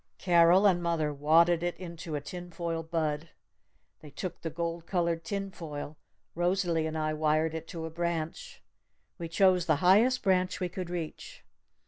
Carol and mother wadded it into a tin foil bud! They took the gold colored tin foil! Rosalee and I wired it to a branch! We chose the highest branch we could reach!